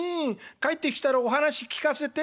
帰ってきたらお話聞かせて。